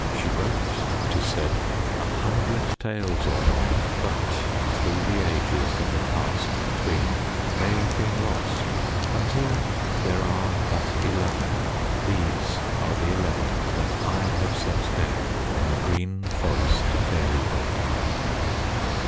She wrote, 't is said, a hundred tales or more but through the ages that have passed between they have been lost, until there are but eleven; these are the eleven that I have set down in The Green Forest Fairy Book.